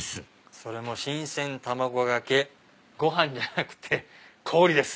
それも卵かけご飯じゃなくて氷です。